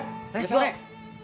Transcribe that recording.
motor kamu diambil jam berapa pur